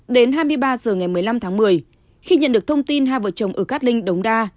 đến hai mươi ba h ngày một mươi năm tháng một mươi khi nhận được thông tin hai vợ chồng ở cát linh đống đa